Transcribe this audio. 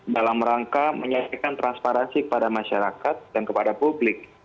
dalam rangka menyampaikan transparansi kepada masyarakat dan kepada publik